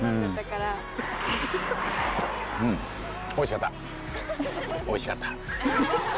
うんおいしかった。